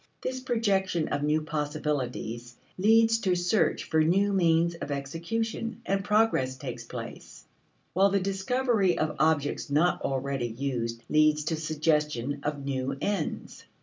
This projection of new possibilities leads to search for new means of execution, and progress takes place; while the discovery of objects not already used leads to suggestion of new ends.